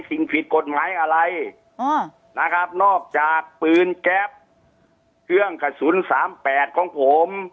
สิ่งผิดกฎหมายอะไรนะครับนอกจากปืนแก๊ปเครื่องกระสุน๓๘ของผม